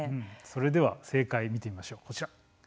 それでは正解見てみましょう、こちら。